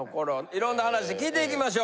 いろんな話聞いていきましょう。